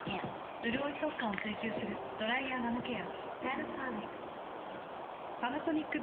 うるおい速乾を追求する「ドライヤーナノケア」。